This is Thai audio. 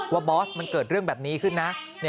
บอสมันเกิดเรื่องแบบนี้ขึ้นนะ